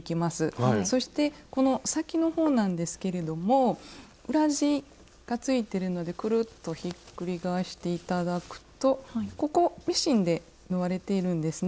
そしてこの先の方なんですけれども裏地がついてるのでくるっとひっくり返して頂くとここミシンで縫われているんですね。